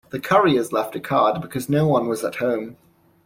The couriers left a card because no one was at home.